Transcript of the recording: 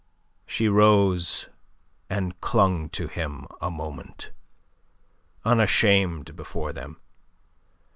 She rose and clung to him a moment, unashamed before them.